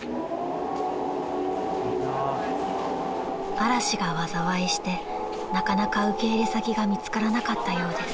［嵐が災いしてなかなか受け入れ先が見つからなかったようです］